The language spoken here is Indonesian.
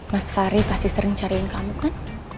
mas fahri pasti sering cariin kamu kan